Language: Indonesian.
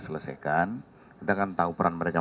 selesaikan kita akan tahu peran mereka